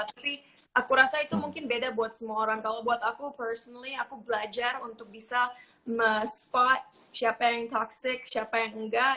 tapi aku rasa itu mungkin beda buat semua orang kalau buat aku personally aku belajar untuk bisa siapa yang toxic siapa yang enggak